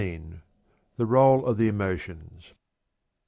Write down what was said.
The Role of the Emotions.